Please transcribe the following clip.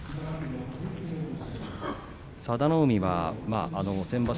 佐田の海は先場所